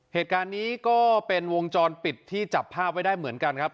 เหตุการณ์นี้ก็เป็นวงจรปิดที่จับภาพไว้ได้เหมือนกันครับ